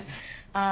あ